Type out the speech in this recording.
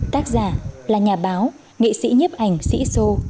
tác giả là nhà báo nghị sĩ nhếp ảnh sĩ sô